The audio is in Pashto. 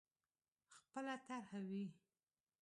خپله طرح وي.